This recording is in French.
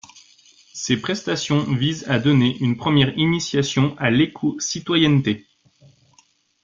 Ces prestations visent à donner une première initiation à l'écocitoyenneté.